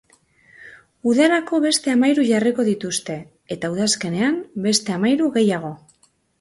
Udarako beste hamahiru jarriko dituzte eta udazkenean beste hamahiru gehiago.